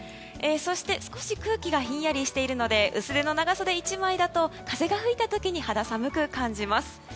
そして少し空気がひんやりしているので薄手の長袖１枚だと風が吹いた時に肌寒く感じます。